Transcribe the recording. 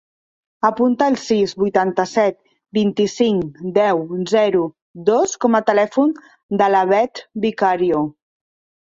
Apunta el sis, vuitanta-set, vint-i-cinc, deu, zero, dos com a telèfon de la Beth Vicario.